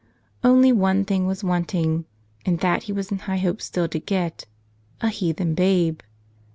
Only one thing was wanting and that he was in high hopes still to get: a heathen babe.